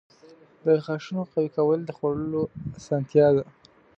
• د غاښونو قوي کول د خوړلو اسانتیا ده.